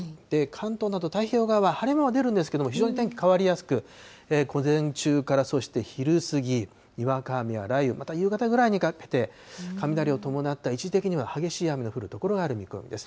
関東など、太平洋側、晴れ間は出るんですけれども、非常に天気変わりやすく、午前中から、そして昼過ぎ、にわか雨や雷雨、また夕方ぐらいにかけて、雷を伴った一時的には激しい雨の降る所がある見込みです。